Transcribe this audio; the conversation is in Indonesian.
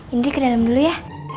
indi ke dalam dulu ya